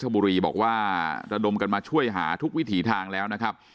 บุรีบอกว่าระดมกันมาช่วยหาทุกวิถีทางแล้วนะครับ